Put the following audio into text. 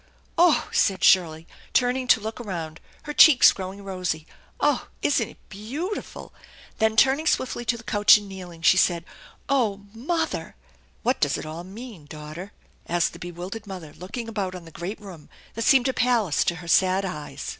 " Oh !" said Shirley, turning to look around, her cheeks growing rosy. "Oh! Isn't it beautiful?" Then, turning swiftly to the couch and kneeling, she said, " Oh mother!" " What does it all mean, daughter? " asked the bewildered mother, looking about on the great room that seemed a palace to her sad eyes.